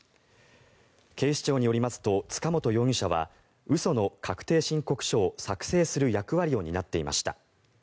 警視庁によりますと塚本容疑者は嘘の確定申告書を作成する役割を担っていました。